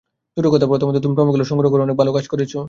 দুটো কথা, প্রথমত, তুমি প্রমাণগুলো সংগ্রহ করে ভালো কাজ করেছো।